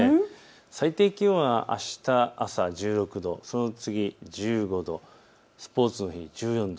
最低気温はあした１６度、その次、１５度、スポーツの日、１４度。